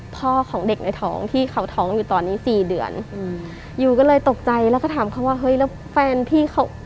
พ่อของเด็กในท้องที่เขาท้องอยู่ตอนนี้สี่เดือนอืมยูก็เลยตกใจแล้วก็ถามเขาว่าเฮ้ยแล้วแฟนพี่เขา